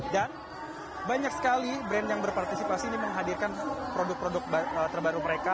dan banyak sekali brand yang berpartisipasi ini menghadirkan produk produk terbaru mereka